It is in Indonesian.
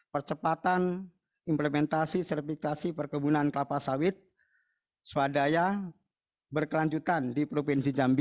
percepatan implementasi sertifikasi perkebunan kelapa sawit swadaya berkelanjutan di provinsi jambi